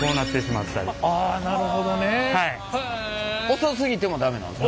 遅すぎても駄目なんですか？